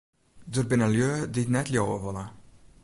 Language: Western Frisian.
Der binne lju dy't dat net leauwe wolle.